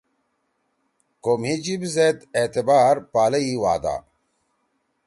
کو مھی جیِب زید اعتبار پالئیی وعدہ